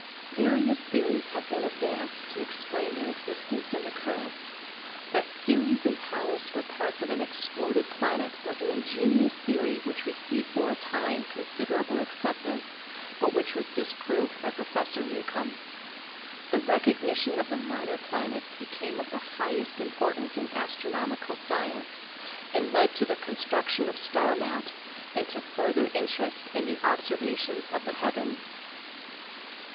Various theories have been advanced to explain their existence and occurrence. That Ceres and Pallas were parts of an ex ploded planet was an ingenious theory which received for a time considerable acceptance, but which was disproved by Professor Newcomb. The recognition of the minor planets became of the highest importance in astronomical science, and led to the construction of star maps and to further interest in the observations of the heavens.